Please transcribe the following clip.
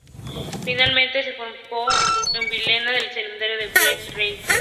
Finalmente se formó en Viena en el Seminario Max Reinhardt.